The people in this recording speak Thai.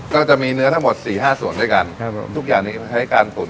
ก็จะมีเนื้อทั้งหมดสี่ห้าส่วนด้วยกันครับผมทุกอย่างนี้ใช้การตุ๋น